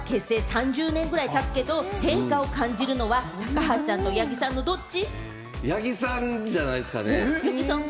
３０年ぐらいたつけれども、変化を感じるのは、高橋さんと八木さんのドッチ？